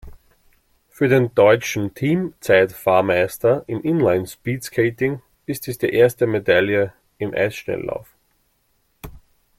Für den deutschen Teamzeitfahr-Meister im Inline-Speedskating ist dies die erste Medaille im Eisschnelllauf.